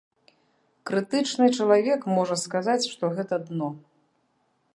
Крытычны чалавек можа сказаць, што гэта дно.